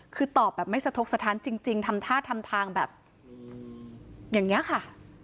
คือตอบแบบไม่สะทกสถานจริงทำท่าทำทางแบบอย่างนี้ค่ะ